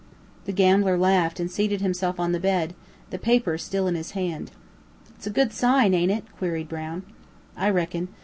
The gambler laughed, and seated himself on the bed the paper still in his hand. "It's a good sign, ain't it?" queried Brown. "I reckon.